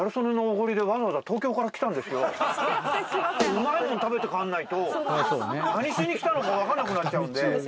うまいもん食べて帰んないと何しに来たのか分かんなくなっちゃうんで。